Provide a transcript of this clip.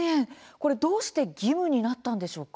これ、どうして義務になったんでしょうか。